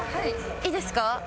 いいですか？